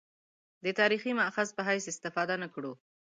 د تاریخي مأخذ په حیث استفاده نه کړو.